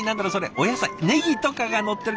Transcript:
お野菜ねぎとかがのってる感じ。